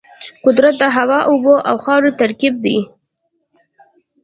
قدرت د هوا، اوبو او خاورو ترکیب دی.